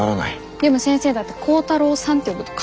でも先生だって光太朗さんって呼ぶと顔